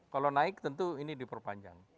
kalau naik tentu ini diperpanjang